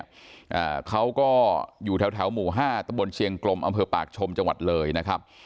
อ่าเขาก็อยู่แถวแถวหมู่ห้าตะบนเชียงกลมอำเภอปากชมจังหวัดเลยนะครับ